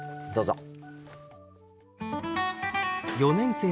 どうぞ。